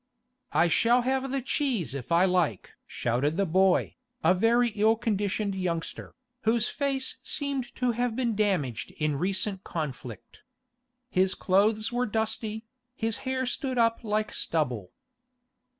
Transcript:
'I shall have the cheese if I like!' shouted the boy, a very ill conditioned youngster, whose face seemed to have been damaged in recent conflict. His clothes were dusty, and his hair stood up like stubble.